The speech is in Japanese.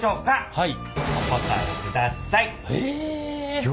はい。